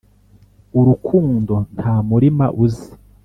urukundo ntamurima uzi